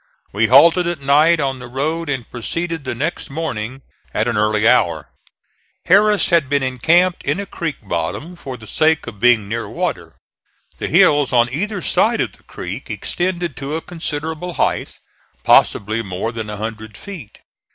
We halted at night on the road and proceeded the next morning at an early hour. Harris had been encamped in a creek bottom for the sake of being near water. The hills on either side of the creek extend to a considerable height, possibly more than a hundred feet.